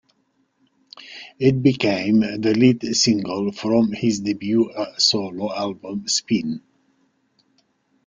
It became the lead single from his debut solo album, "Spin".